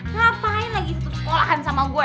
ngapain lagi putus sekolahan sama gue